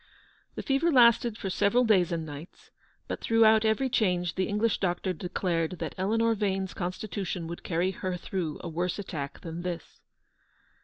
The fever lasted for several days and nights, but throughout every change the English doctor declared that Eleanor Vane's constitution would carry her through a worse attack than this.